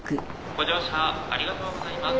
「ご乗車ありがとうございます」